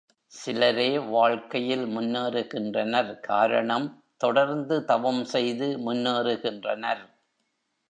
சிலரே வாழ்க்கையில் முன்னேறுகின்றனர் காரணம் தொடர்ந்து தவம் செய்து முன்னேறுகின்றனர்.